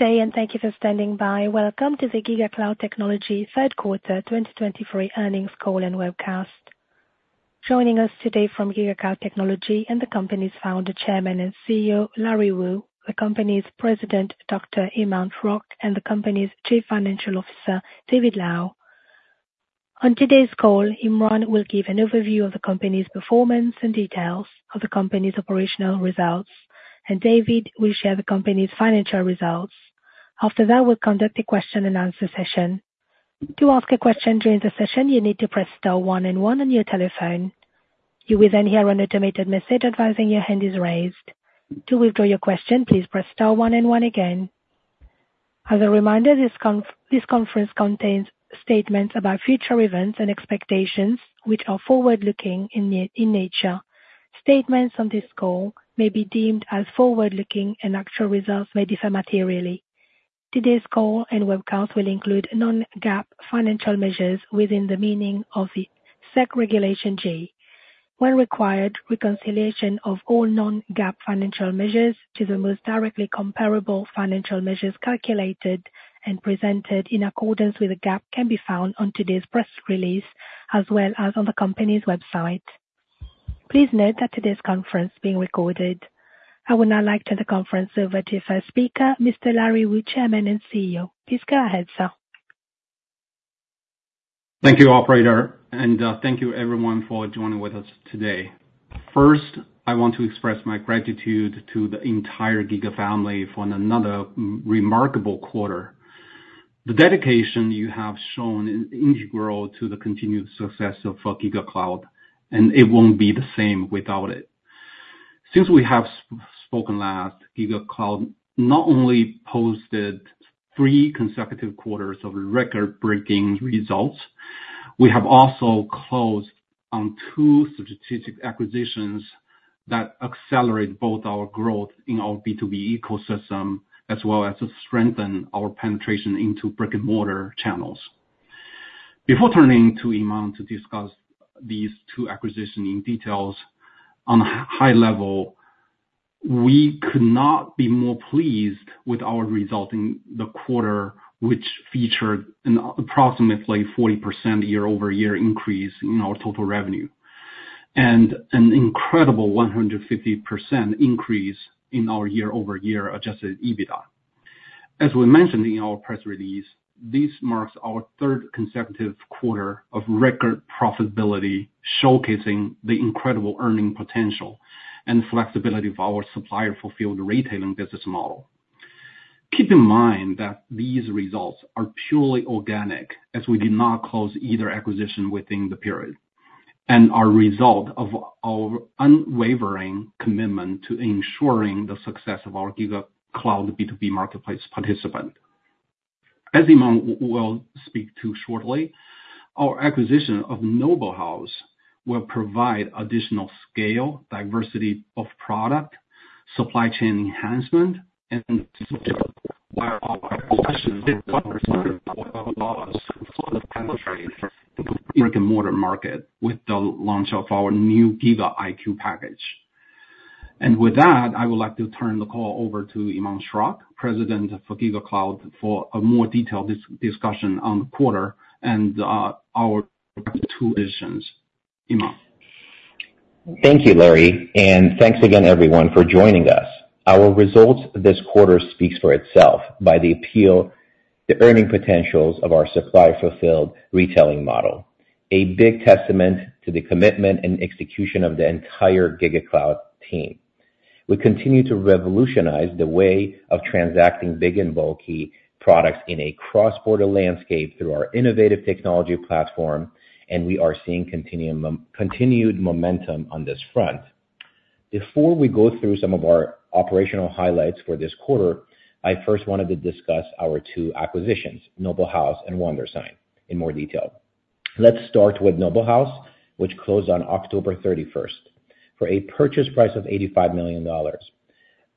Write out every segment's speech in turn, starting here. Good day, and thank you for standing by. Welcome to the GigaCloud Technology third quarter 2023 earnings call and webcast. Joining us today from GigaCloud Technology and the company's founder, Chairman, and CEO, Larry Wu, the company's President, Iman Schrock, and the company's Chief Financial Officer, David Lau. On today's call, Iman will give an overview of the company's performance and details of the company's operational results, and David will share the company's financial results. After that, we'll conduct a question-and-answer session. To ask a question during the session, you need to press star one and one on your telephone. You will then hear an automated message advising your hand is raised. To withdraw your question, please press star one and one again. As a reminder, this conference contains statements about future events and expectations which are forward-looking in nature. Statements on this call may be deemed as forward-looking, and actual results may differ materially. Today's call and webcast will include non-GAAP financial measures within the meaning of the SEC Regulation G. When required, reconciliation of all non-GAAP financial measures to the most directly comparable financial measures calculated and presented in accordance with the GAAP can be found on today's press release, as well as on the company's website. Please note that today's conference is being recorded. I would now like to turn the conference over to our speaker, Mr. Larry Wu, Chairman and CEO. Please go ahead, sir. Thank you, operator, and thank you everyone for joining with us today. First, I want to express my gratitude to the entire Giga family for another remarkable quarter. The dedication you have shown is integral to the continued success of GigaCloud, and it won't be the same without it. Since we have spoken last, GigaCloud not only posted three consecutive quarters of record-breaking results, we have also closed on two strategic acquisitions that accelerate both our growth in our B2B ecosystem, as well as to strengthen our penetration into brick-and-mortar channels. Before turning to Iman to discuss these two acquisitions details, on a high level, we could not be more pleased with our results in the quarter, which featured an approximately 40% year-over-year increase in our total revenue, and an incredible 150% increase in our year-over-year Adjusted EBITDA. As we mentioned in our press release, this marks our third consecutive quarter of record profitability, showcasing the incredible earning potential and flexibility of our Supplier Fulfilled Retailing business model. Keep in mind that these results are purely organic, as we did not close either acquisition within the period, and are a result of our unwavering commitment to ensuring the success of our GigaCloud B2B marketplace participant. As Iman will speak to shortly, our acquisition of Noble House will provide additional scale, diversity of product, supply chain enhancement, and brick-and-mortar market with the launch of our new GigaIQ package. And with that, I would like to turn the call over to Iman Schrock, President for GigaCloud, for a more detailed discussion on the quarter and our two additions. Iman. Thank you, Larry, and thanks again everyone for joining us. Our results this quarter speaks for itself by the appeal, the earning potentials of our Supplier Fulfilled Retailing model, a big testament to the commitment and execution of the entire GigaCloud team. We continue to revolutionize the way of transacting big and bulky products in a cross-border landscape through our innovative technology platform, and we are seeing continued momentum on this front. Before we go through some of our operational highlights for this quarter, I first wanted to discuss our two acquisitions, Noble House and Wondersign, in more detail. Let's start with Noble House, which closed on October 31st. For a purchase price of $85 million,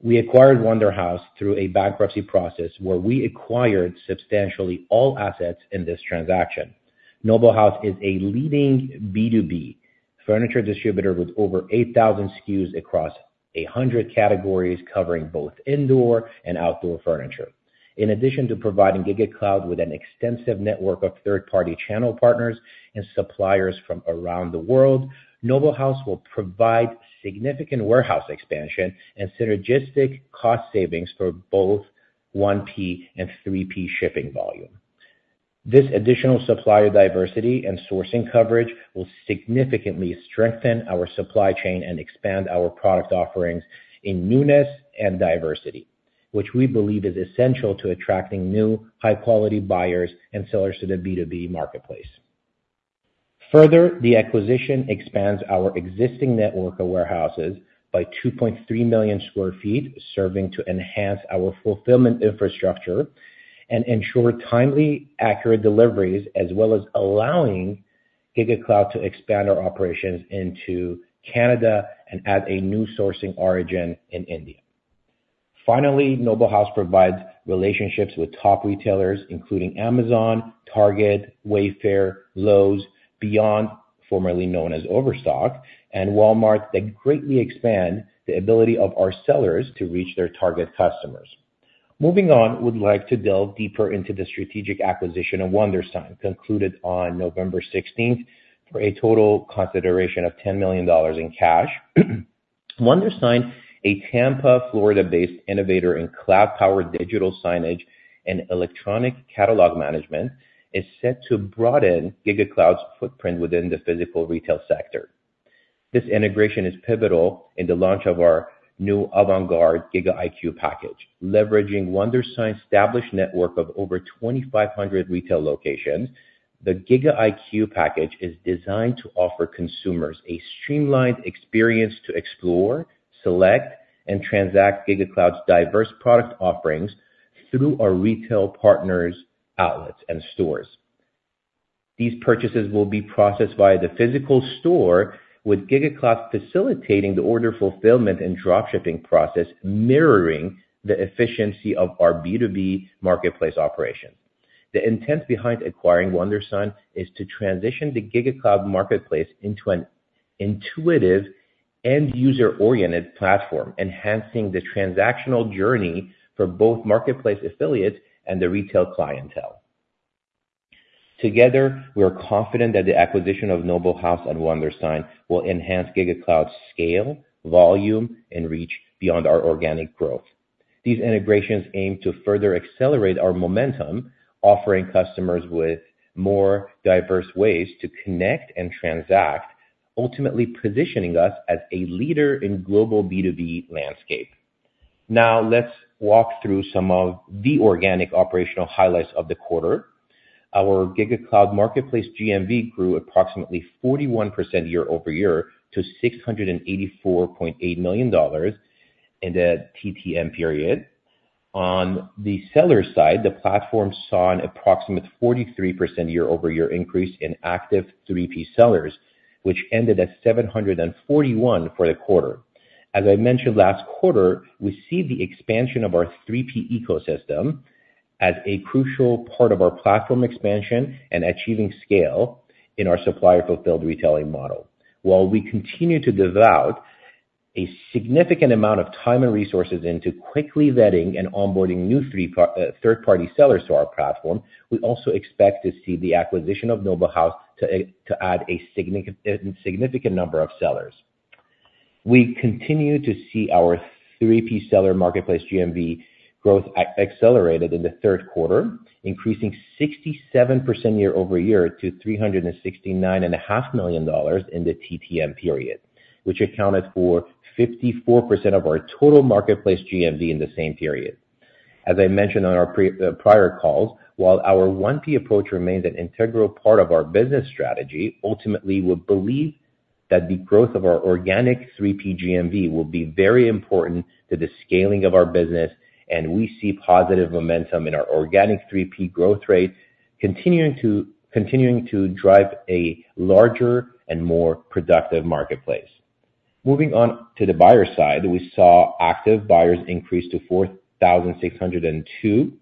we acquired Noble House through a bankruptcy process where we acquired substantially all assets in this transaction. Noble House is a leading B2B furniture distributor with over 8,000 SKUs across 100 categories, covering both indoor and outdoor furniture. In addition to providing GigaCloud with an extensive network of third-party channel partners and suppliers from around the world, Noble House will provide significant warehouse expansion and synergistic cost savings for both 1P and 3P shipping volume. This additional supplier diversity and sourcing coverage will significantly strengthen our supply chain and expand our product offerings in newness and diversity, which we believe is essential to attracting new high-quality buyers and sellers to the B2B marketplace. Further, the acquisition expands our existing network of warehouses by 2.3 million sq ft, serving to enhance our fulfillment infrastructure and ensure timely, accurate deliveries, as well as allowing GigaCloud to expand our operations into Canada and add a new sourcing origin in India. Finally, Noble House provides relationships with top retailers, including Amazon, Target, Wayfair, Lowe's, Beyond, formerly known as Overstock, and Walmart, that greatly expand the ability of our sellers to reach their target customers. Moving on, we'd like to delve deeper into the strategic acquisition of Wondersign, concluded on November sixteenth, for a total consideration of $10 million in cash. Wondersign, a Tampa, Florida-based innovator in cloud-powered digital signage and electronic catalog management, is set to broaden GigaCloud's footprint within the physical retail sector. This integration is pivotal in the launch of our new avant-garde GigaIQ package. Leveraging Wondersign's established network of over 2,500 retail locations, the GigaIQ package is designed to offer consumers a streamlined experience to explore, select, and transact GigaCloud's diverse product offerings through our retail partners' outlets and stores. These purchases will be processed by the physical store, with GigaCloud facilitating the order fulfillment and drop shipping process, mirroring the efficiency of our B2B marketplace operation. The intent behind acquiring Wondersign is to transition the GigaCloud Marketplace into an intuitive end-user-oriented platform, enhancing the transactional journey for both marketplace affiliates and the retail clientele. Together, we are confident that the acquisition of Noble House and Wondersign will enhance GigaCloud's scale, volume, and reach beyond our organic growth. These integrations aim to further accelerate our momentum, offering customers with more diverse ways to connect and transact, ultimately positioning us as a leader in global B2B landscape. Now, let's walk through some of the organic operational highlights of the quarter. Our GigaCloud Marketplace GMV grew approximately 41% year-over-year, to $684.8 million in the TTM period. On the seller side, the platform saw an approximate 43% year-over-year increase in active 3P sellers, which ended at 741 for the quarter. As I mentioned last quarter, we see the expansion of our 3P ecosystem as a crucial part of our platform expansion and achieving scale in our Supplier Fulfilled Retailing model. While we continue to devote a significant amount of time and resources into quickly vetting and onboarding new third-party sellers to our platform, we also expect to see the acquisition of Noble House to add a significant number of sellers. We continue to see our 3P seller marketplace GMV growth accelerated in the third quarter, increasing 67% year-over-year to $369.5 million in the TTM period, which accounted for 54% of our total marketplace GMV in the same period. As I mentioned on our prior calls, while our 1P approach remains an integral part of our business strategy, ultimately, we believe that the growth of our organic 3P GMV will be very important to the scaling of our business, and we see positive momentum in our organic 3P growth rate, continuing to drive a larger and more productive marketplace. Moving on to the buyer side, we saw active buyers increase to 4,602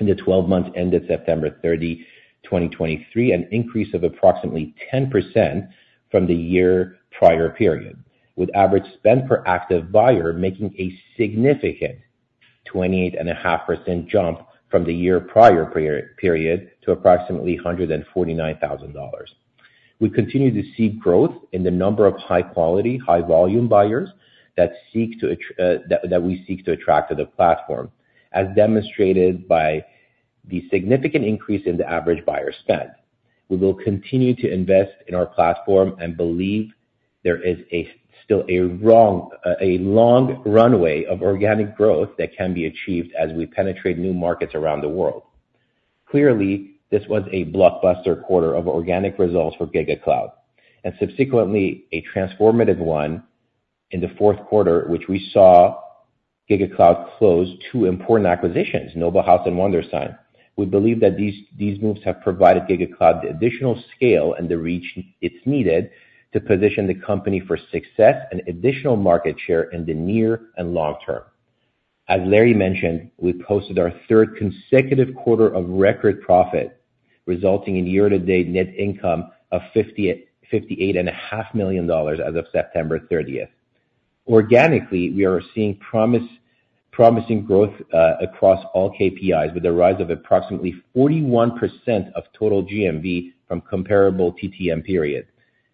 in the twelve months ended September 30, 2023, an increase of approximately 10% from the year prior period, with average spend per active buyer making a significant 28.5% jump from the year prior period to approximately $149,000. We continue to see growth in the number of high quality, high volume buyers that we seek to attract to the platform, as demonstrated by the significant increase in the average buyer spend. We will continue to invest in our platform and believe there is still a long runway of organic growth that can be achieved as we penetrate new markets around the world. Clearly, this was a blockbuster quarter of organic results for GigaCloud, and subsequently a transformative one in the fourth quarter, which we saw GigaCloud close two important acquisitions, Noble House and Wondersign. We believe that these moves have provided GigaCloud the additional scale and the reach it's needed to position the company for success and additional market share in the near and long term. As Larry mentioned, we posted our third consecutive quarter of record profit, resulting in year-to-date net income of $58.5 million as of September 30th. Organically, we are seeing promising growth across all KPIs, with a rise of approximately 41% of total GMV from comparable TTM periods,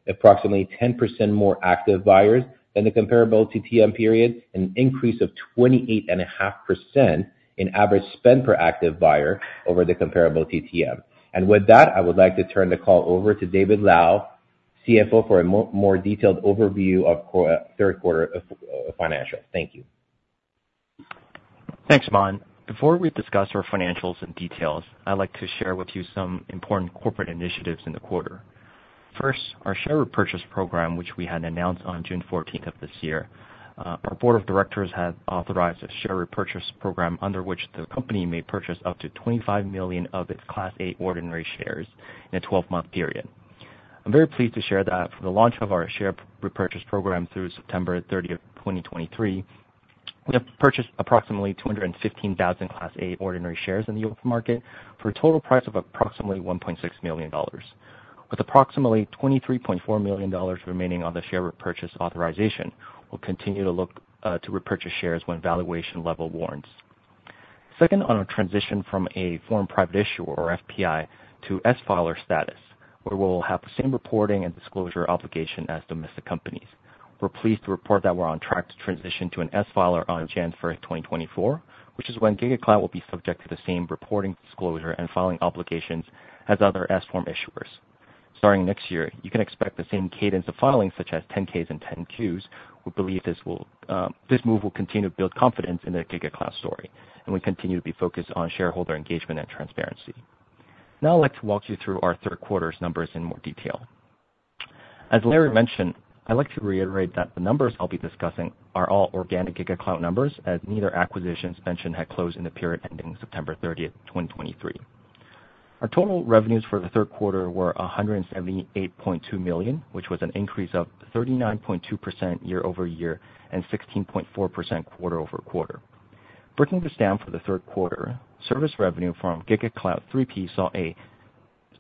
approximately 10% more active buyers than the comparable TTM period, an increase of 28.5% in average spend per active buyer over the comparable TTM. With that, I would like to turn the call over to David Lau, CFO, for a more detailed overview of third quarter financials. Thank you. Thanks, Iman. Before we discuss our financials and details, I'd like to share with you some important corporate initiatives in the quarter. First, our share repurchase program, which we had announced on June 14 of this year. Our board of directors had authorized a share repurchase program under which the company may purchase up to 25 million of its Class A Ordinary Shares in a 12-month period. I'm very pleased to share that for the launch of our share repurchase program through September 30, 2023, we have purchased approximately 215,000 Class A Ordinary Shares in the open market for a total price of approximately $1.6 million. With approximately $23.4 million remaining on the share repurchase authorization, we'll continue to look to repurchase shares when valuation level warrants.... Second, on our transition from a foreign private issuer, or FPI, to S-filer status, where we'll have the same reporting and disclosure obligation as domestic companies. We're pleased to report that we're on track to transition to an S-filer on January 2024, which is when GigaCloud will be subject to the same reporting, disclosure, and filing obligations as other S-form issuers. Starting next year, you can expect the same cadence of filings, such as 10-Ks and 10-Qs. We believe this will, this move will continue to build confidence in the GigaCloud story, and we continue to be focused on shareholder engagement and transparency. Now I'd like to walk you through our third quarter's numbers in more detail. As Larry mentioned, I'd like to reiterate that the numbers I'll be discussing are all organic GigaCloud numbers, as neither acquisitions mentioned had closed in the period ending September 30, 2023. Our total revenues for the third quarter were $178.2 million, which was an increase of 39.2% year-over-year, and 16.4% quarter-over-quarter. Breaking this down for the third quarter, service revenue from GigaCloud 3P saw a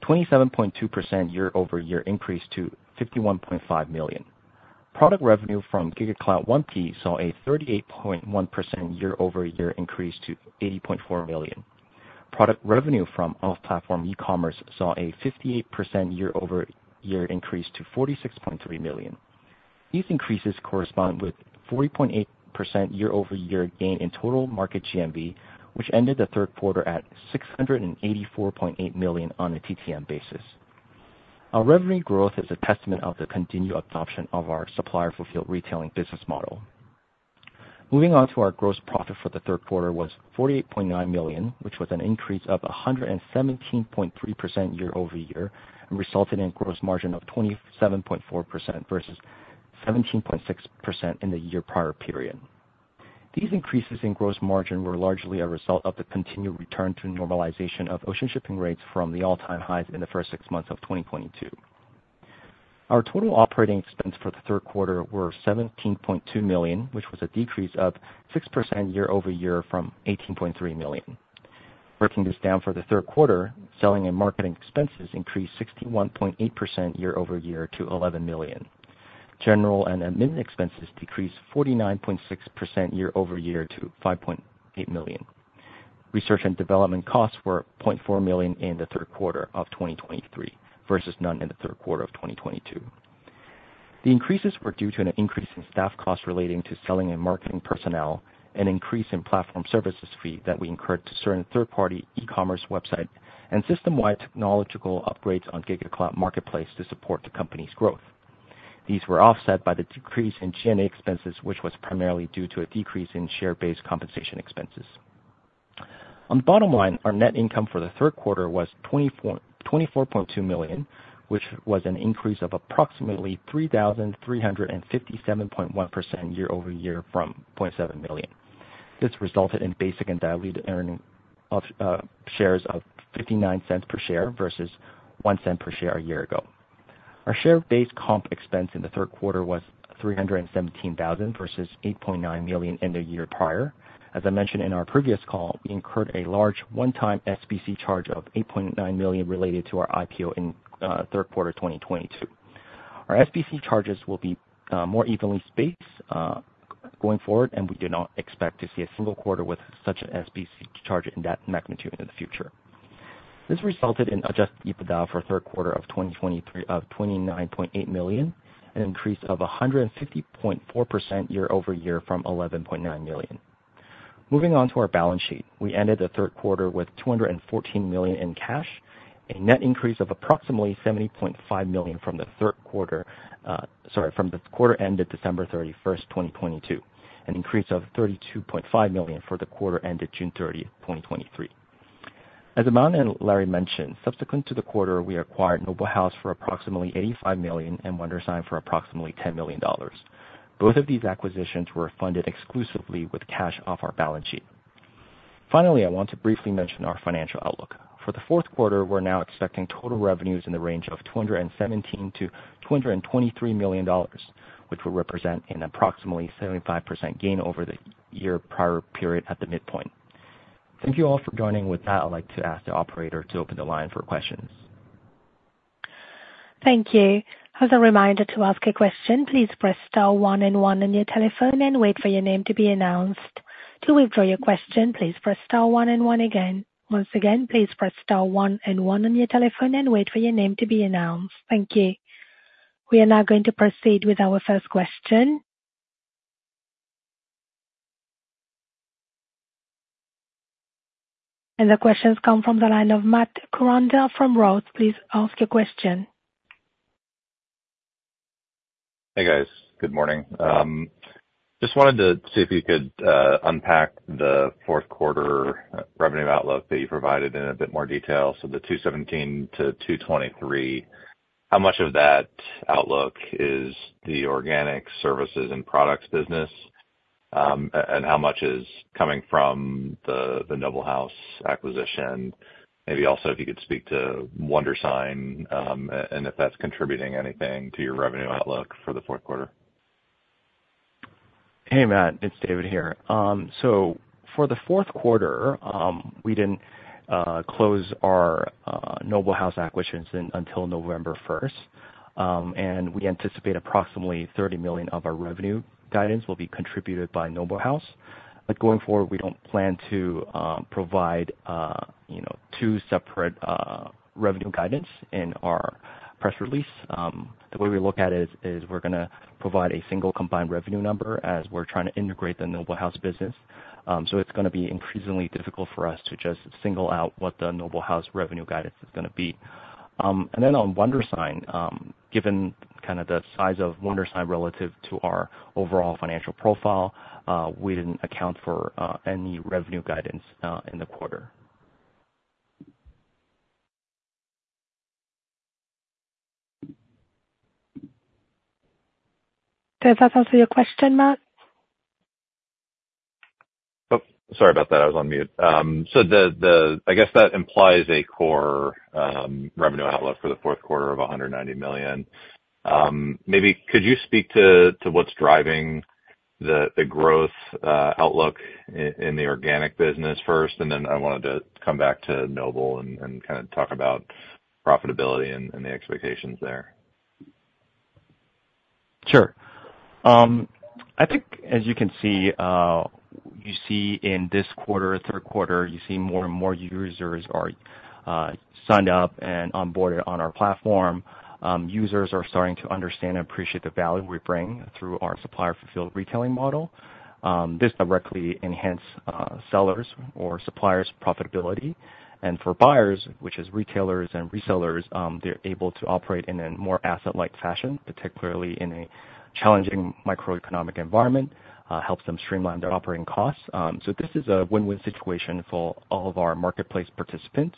27.2% year-over-year increase to $51.5 million. Product revenue from GigaCloud 1P saw a 38.1% year-over-year increase to $80.4 million. Product revenue from off-platform e-commerce saw a 58% year-over-year increase to $46.3 million. These increases correspond with 40.8% year-over-year gain in total market GMV, which ended the third quarter at $684.8 million on a TTM basis. Our revenue growth is a testament of the continued adoption of our Supplier Fulfilled Retailing business model. Moving on to our gross profit for the third quarter was $48.9 million, which was an increase of 117.3% year-over-year, and resulted in gross margin of 27.4% versus 17.6% in the year prior period. These increases in gross margin were largely a result of the continued return to normalization of ocean shipping rates from the all-time highs in the first six months of 2022. Our total operating expenses for the third quarter were $17.2 million, which was a decrease of 6% year-over-year from $18.3 million. Breaking this down for the third quarter, selling and marketing expenses increased 61.8% year-over-year to $11 million. General and admin expenses decreased 49.6% year-over-year to $5.8 million. Research and development costs were $0.4 million in the third quarter of 2023, versus none in the third quarter of 2022. The increases were due to an increase in staff costs relating to selling and marketing personnel, an increase in platform services fee that we incurred to certain third-party e-commerce website, and system-wide technological upgrades on GigaCloud Marketplace to support the company's growth. These were offset by the decrease in G&A expenses, which was primarily due to a decrease in share-based compensation expenses. On the bottom line, our net income for the third quarter was $24.2 million, which was an increase of approximately 3,357.1% year-over-year from $0.7 million. This resulted in basic and diluted earning of shares of $0.59 per share versus $0.01 per share a year ago. Our share-based comp expense in the third quarter was $317,000 versus $8.9 million in the year prior. As I mentioned in our previous call, we incurred a large one-time SBC charge of $8.9 million related to our IPO in third quarter 2022. Our SBC charges will be more evenly spaced going forward, and we do not expect to see a single quarter with such an SBC charge in that magnitude in the future. This resulted in Adjusted EBITDA for the third quarter of 2023 of $29.8 million, an increase of 150.4% year-over-year from $11.9 million. Moving on to our balance sheet. We ended the third quarter with $214 million in cash, a net increase of approximately $70.5 million from the quarter ended December 31, 2022, an increase of $32.5 million for the quarter ended June 30, 2023. As Iman and Larry mentioned, subsequent to the quarter, we acquired Noble House for approximately $85 million and Wondersign for approximately $10 million. Both of these acquisitions were funded exclusively with cash off our balance sheet. Finally, I want to briefly mention our financial outlook. For the fourth quarter, we're now expecting total revenues in the range of $217 million-$223 million, which will represent an approximately 75% gain over the year prior period at the midpoint. Thank you all for joining. With that, I'd like to ask the operator to open the line for questions. Thank you. As a reminder to ask a question, please press star one and one on your telephone and wait for your name to be announced. To withdraw your question, please press star one and one again. Once again, please press star one and one on your telephone and wait for your name to be announced. Thank you. We are now going to proceed with our first question. The questions come from the line of Matt Koranda from Roth. Please ask your question. Hey, guys. Good morning. Just wanted to see if you could unpack the fourth quarter revenue outlook that you provided in a bit more detail. So the $217 million-$223 million, how much of that outlook is the organic services and products business? And how much is coming from the Noble House acquisition? Maybe also, if you could speak to Wondersign, and if that's contributing anything to your revenue outlook for the fourth quarter?... Hey, Matt, it's David here. So for the fourth quarter, we didn't close our Noble House acquisitions until November first. And we anticipate approximately $30 million of our revenue guidance will be contributed by Noble House. But going forward, we don't plan to provide, you know, two separate revenue guidance in our press release. The way we look at it is we're gonna provide a single combined revenue number as we're trying to integrate the Noble House business. So it's gonna be increasingly difficult for us to just single out what the Noble House revenue guidance is gonna be. And then on Wondersign, given kind of the size of Wondersign relative to our overall financial profile, we didn't account for any revenue guidance in the quarter. Does that answer your question, Matt? Oh, sorry about that. I was on mute. So the, the, I guess that implies a core revenue outlook for the fourth quarter of $190 million. Maybe could you speak to, to what's driving the, the growth outlook in the organic business first, and then I wanted to come back to Noble and, and kind of talk about profitability and, and the expectations there. Sure. I think, as you can see, you see in this quarter, third quarter, you see more and more users are signed up and onboarded on our platform. Users are starting to understand and appreciate the value we bring through our Supplier Fulfilled Retailing model. This directly enhance sellers or suppliers' profitability. And for buyers, which is retailers and resellers, they're able to operate in a more asset-light fashion, particularly in a challenging microeconomic environment, helps them streamline their operating costs. So this is a win-win situation for all of our marketplace participants.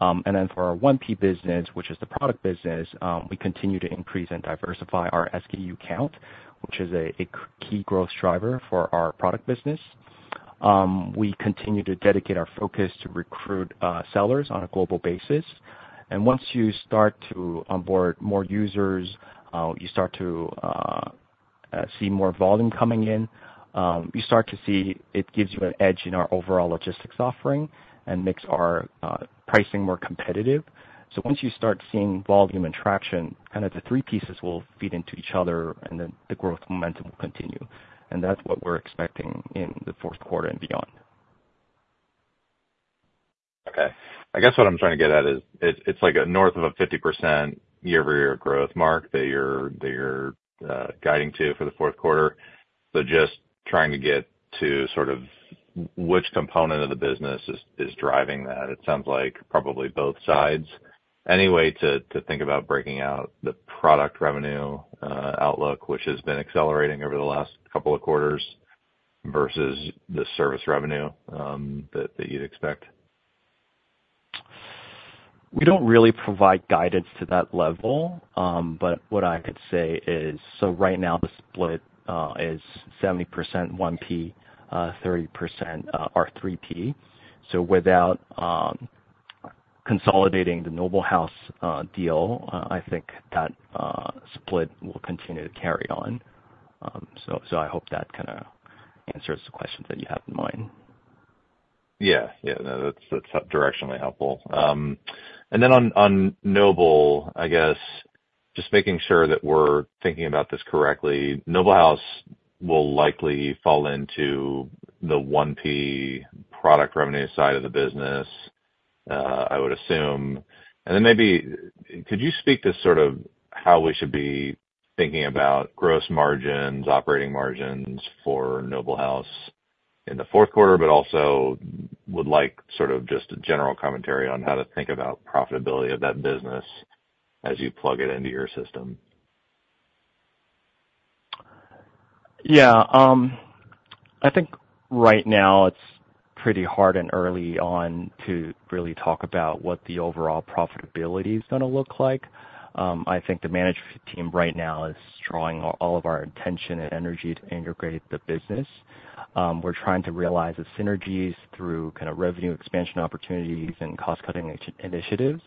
And then for our 1P business, which is the product business, we continue to increase and diversify our SKU count, which is a key growth driver for our product business. We continue to dedicate our focus to recruit sellers on a global basis. Once you start to onboard more users, you start to see more volume coming in. You start to see it gives you an edge in our overall logistics offering and makes our pricing more competitive. Once you start seeing volume and traction, kind of the three pieces will feed into each other, and then the growth momentum will continue. That's what we're expecting in the fourth quarter and beyond. Okay. I guess what I'm trying to get at is, it's, it's like a north of a 50% year-over-year growth mark that you're guiding to for the fourth quarter. So just trying to get to sort of which component of the business is driving that. It sounds like probably both sides. Any way to think about breaking out the product revenue outlook, which has been accelerating over the last couple of quarters, versus the service revenue that you'd expect? We don't really provide guidance to that level. But what I could say is, so right now, the split is 70% 1P, 30% are 3P. So without consolidating the Noble House deal, I think that split will continue to carry on. So, so I hope that kinda answers the questions that you have in mind. Yeah. Yeah, no, that's, that's directionally helpful. And then on Noble House, I guess, just making sure that we're thinking about this correctly, Noble House will likely fall into the 1P product revenue side of the business, I would assume. And then maybe could you speak to sort of how we should be thinking about gross margins, operating margins for Noble House in the fourth quarter, but also would like sort of just a general commentary on how to think about profitability of that business as you plug it into your system. Yeah, I think right now it's pretty hard and early on to really talk about what the overall profitability is gonna look like. I think the management team right now is drawing all of our attention and energy to integrate the business. We're trying to realize the synergies through kind of revenue expansion opportunities and cost-cutting initiatives.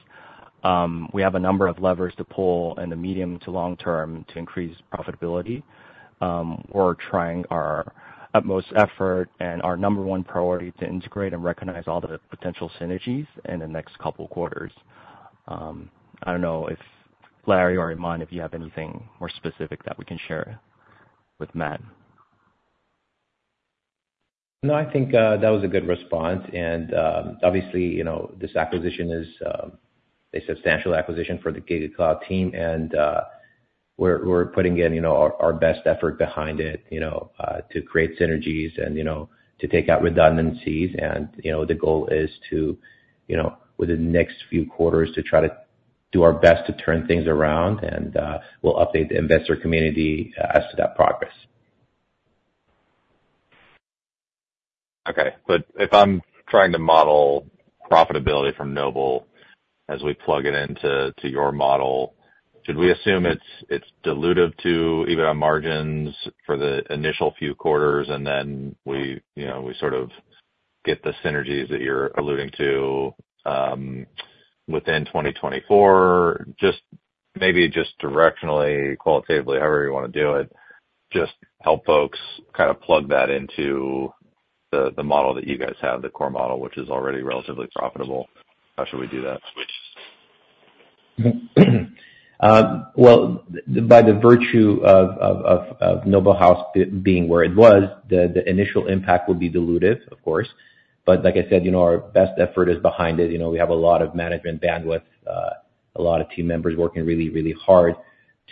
We have a number of levers to pull in the medium to long term to increase profitability. We're trying our utmost effort and our number one priority, to integrate and recognize all the potential synergies in the next couple of quarters. I don't know if Larry or Iman, if you have anything more specific that we can share with Matt. No, I think that was a good response. And, obviously, you know, this acquisition is a substantial acquisition for the GigaCloud team, and, we're putting in, you know, our best effort behind it, you know, to create synergies and, you know, to take out redundancies. And, you know, the goal is to, you know, within the next few quarters, to try to do our best to turn things around. And, we'll update the investor community as to that progress. Okay. But if I'm trying to model profitability from Noble as we plug it into your model, should we assume it's dilutive to EBITDA margins for the initial few quarters, and then we, you know, we sort of get the synergies that you're alluding to within 2024? Maybe just directionally, qualitatively, however you want to do it, just help folks kind of plug that into the model that you guys have, the core model, which is already relatively profitable. How should we do that switch? Well, by the virtue of Noble House being where it was, the initial impact will be dilutive, of course. But like I said, you know, our best effort is behind it. You know, we have a lot of management bandwidth, a lot of team members working really, really hard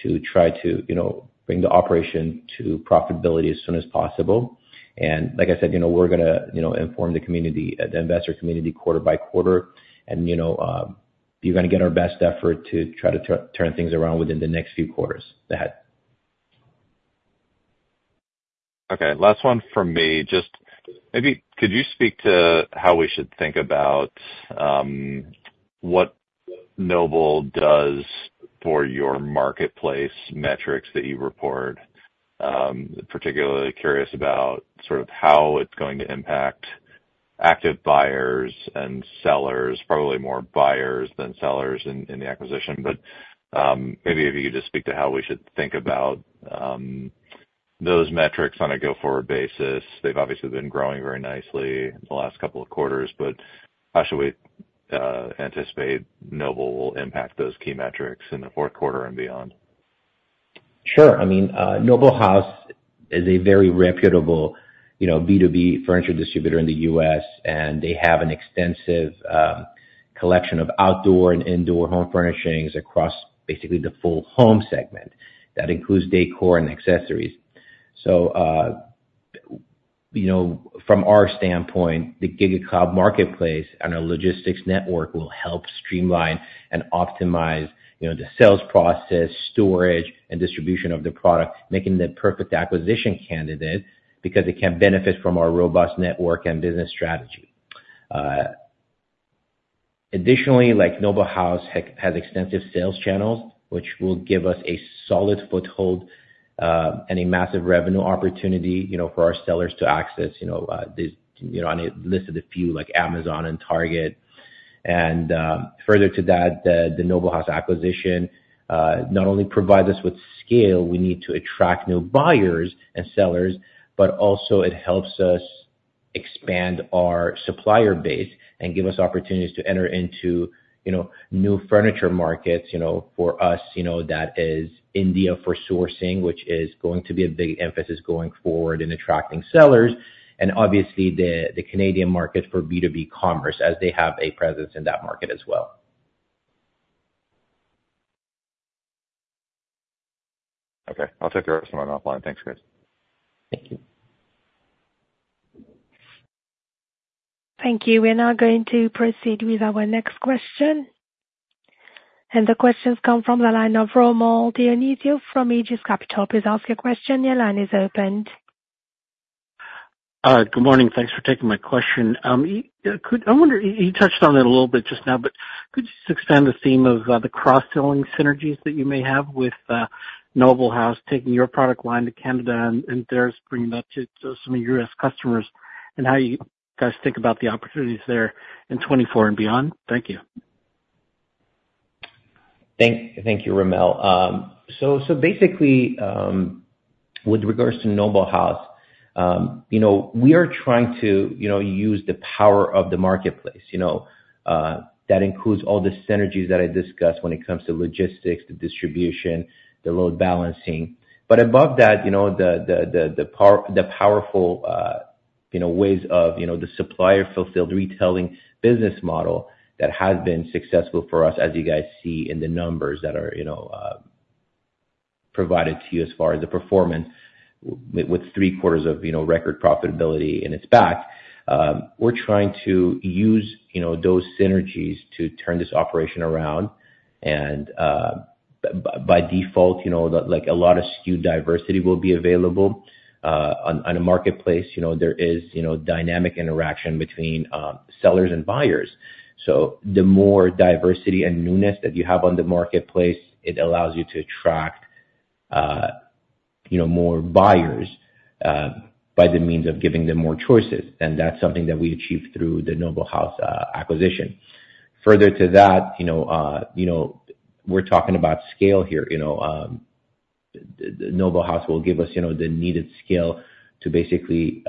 to try to, you know, bring the operation to profitability as soon as possible. And like I said, you know, we're gonna, you know, inform the community, the investor community, quarter by quarter, and, you know, you're gonna get our best effort to try to turn things around within the next few quarters, that. Okay, last one from me. Just maybe could you speak to how we should think about what Noble does for your marketplace metrics that you report? Particularly curious about sort of how it's going to impact active buyers and sellers, probably more buyers than sellers in the acquisition. But maybe if you could just speak to how we should think about those metrics on a go-forward basis. They've obviously been growing very nicely in the last couple of quarters, but how should we anticipate Noble will impact those key metrics in the fourth quarter and beyond? Sure. I mean, Noble House is a very reputable, you know, B2B furniture distributor in the U.S., and they have an extensive collection of outdoor and indoor home furnishings across basically the full home segment. That includes decor and accessories. So, you know, from our standpoint, the GigaCloud Marketplace and our logistics network will help streamline and optimize, you know, the sales process, storage, and distribution of the product, making them the perfect acquisition candidate, because it can benefit from our robust network and business strategy. Additionally, like, Noble House has extensive sales channels, which will give us a solid foothold and a massive revenue opportunity, you know, for our sellers to access, you know, this, you know, I listed a few like Amazon and Target. And, further to that, the Noble House acquisition not only provides us with scale we need to attract new buyers and sellers, but also it helps us expand our supplier base and give us opportunities to enter into, you know, new furniture markets. You know, for us, you know, that is India for sourcing, which is going to be a big emphasis going forward in attracting sellers, and obviously the Canadian market for B2B commerce, as they have a presence in that market as well. Okay. I'll take the rest of them offline. Thanks, guys. Thank you. Thank you. We're now going to proceed with our next question, and the questions come from the line of Rommel Dionisio from Aegis Capital. Please ask your question. Your line is open. Good morning. Thanks for taking my question. I wonder, you touched on it a little bit just now, but could you just expand the theme of the cross-selling synergies that you may have with Noble House, taking your product line to Canada and theirs, bringing that to some of your U.S. customers, and how you guys think about the opportunities there in 2024 and beyond? Thank you. Thank you, Rommel. So basically, with regards to Noble House, you know, we are trying to, you know, use the power of the marketplace. You know, that includes all the synergies that I discussed when it comes to logistics, the distribution, the load balancing. But above that, you know, the powerful ways of, you know, the Supplier Fulfilled Retailing business model that has been successful for us, as you guys see in the numbers that are, you know, provided to you as far as the performance, with three quarters of, you know, record profitability in its back. We're trying to use, you know, those synergies to turn this operation around, and by default, you know, the like a lot of SKU diversity will be available. On a marketplace, you know, there is, you know, dynamic interaction between sellers and buyers. So the more diversity and newness that you have on the marketplace, it allows you to attract, you know, more buyers, by the means of giving them more choices, and that's something that we achieved through the Noble House acquisition. Further to that, you know, we're talking about scale here, you know, the Noble House will give us, you know, the needed scale to basically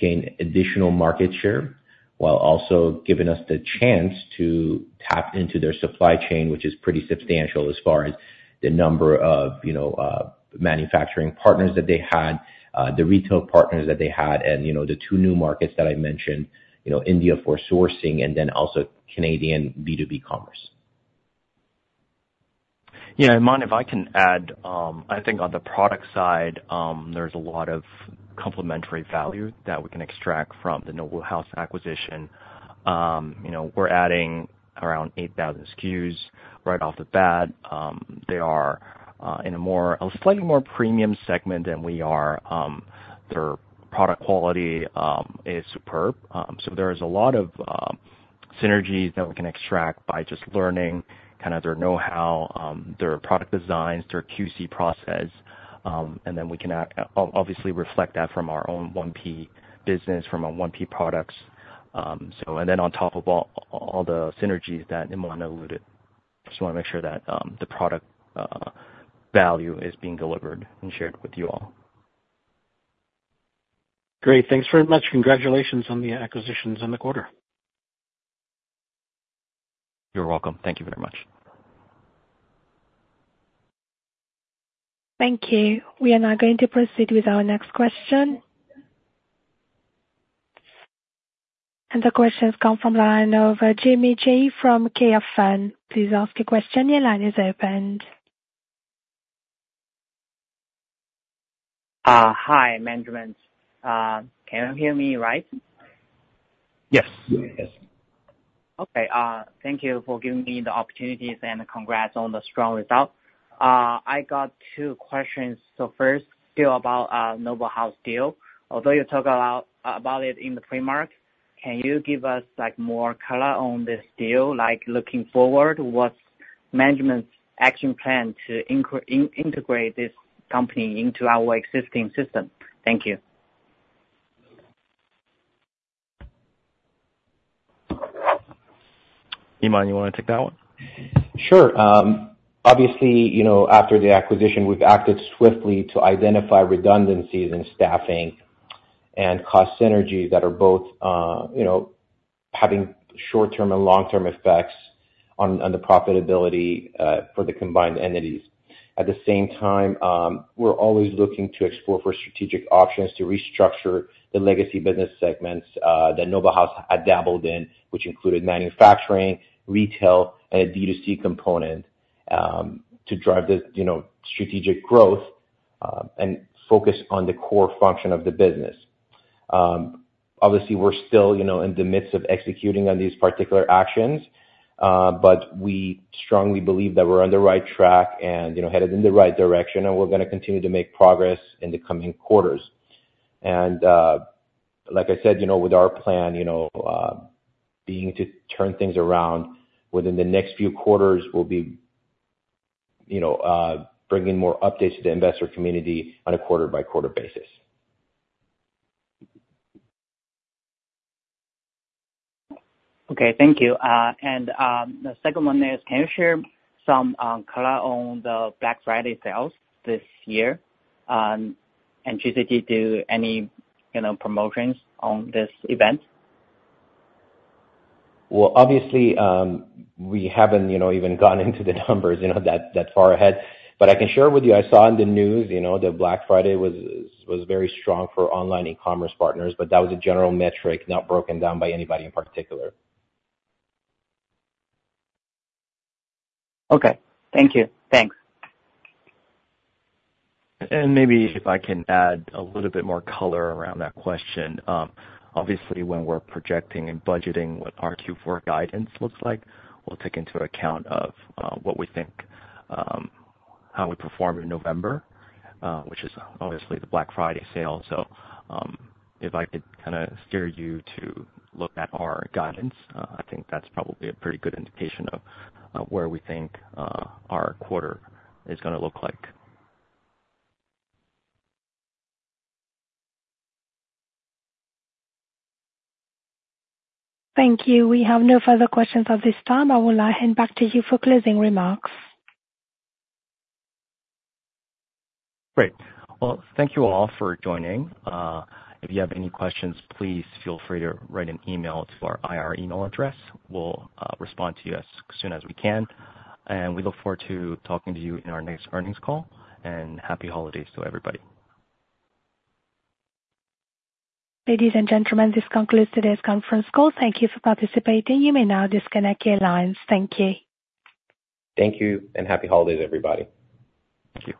gain additional market share, while also giving us the chance to tap into their supply chain, which is pretty substantial as far as the number of, you know, manufacturing partners that they had, the retail partners that they had, and, you know, the two new markets that I mentioned, you know, India for sourcing and then also Canadian B2B commerce. Yeah, Iman, if I can add, I think on the product side, there's a lot of complementary value that we can extract from the Noble House acquisition. You know, we're adding around 8,000 SKUs right off the bat. They are in a slightly more premium segment than we are. Their product quality is superb. So there is a lot of synergies that we can extract by just learning kind of their know-how, their product designs, their QC process, and then we can obviously reflect that from our own 1P business, from our 1P products. So and then on top of all the synergies that Iman alluded, just wanna make sure that the product value is being delivered and shared with you all. Great. Thanks very much. Congratulations on the acquisitions in the quarter. You're welcome. Thank you very much. Thank you. We are now going to proceed with our next question. The question has come from line of [Jamie Jay from KFN]. Please ask your question. Your line is open. Hi, management. Can you hear me right? Yes. Yes. Okay. Thank you for giving me the opportunities and congrats on the strong results. I got two questions. So first, still about, Noble House deal. Although you talk a lot about it in the pre-market, can you give us, like, more color on this deal? Like, looking forward, what's management's action plan to integrate this company into our existing system? Thank you. Iman, you wanna take that one? Sure. Obviously, you know, after the acquisition, we've acted swiftly to identify redundancies in staffing and cost synergies that are both, you know, having short-term and long-term effects on the profitability for the combined entities. At the same time, we're always looking to explore for strategic options to restructure the legacy business segments that Noble House had dabbled in, which included manufacturing, retail, and a D2C component to drive the, you know, strategic growth and focus on the core function of the business. Obviously, we're still, you know, in the midst of executing on these particular actions, but we strongly believe that we're on the right track and, you know, headed in the right direction, and we're gonna continue to make progress in the coming quarters. Like I said, you know, with our plan, you know, being to turn things around within the next few quarters, we'll be, you know, bringing more updates to the investor community on a quarter-by-quarter basis. Okay. Thank you. And the second one is, can you share some color on the Black Friday sales this year? And did you do any, you know, promotions on this event? Well, obviously, we haven't, you know, even gone into the numbers, you know, that far ahead. But I can share with you, I saw in the news, you know, that Black Friday was very strong for online e-commerce partners, but that was a general metric, not broken down by anybody in particular. Okay. Thank you. Thanks. Maybe if I can add a little bit more color around that question. Obviously, when we're projecting and budgeting what our Q4 guidance looks like, we'll take into account of what we think how we perform in November, which is obviously the Black Friday sale. So, if I could kinda steer you to look at our guidance, I think that's probably a pretty good indication of where we think our quarter is gonna look like. Thank you. We have no further questions at this time. I will now hand back to you for closing remarks. Great. Well, thank you all for joining. If you have any questions, please feel free to write an email to our IR email address. We'll respond to you as soon as we can, and we look forward to talking to you in our next earnings call, and happy holidays to everybody. Ladies and gentlemen, this concludes today's conference call. Thank you for participating. You may now disconnect your lines. Thank you. Thank you, and happy holidays, everybody. Thank you.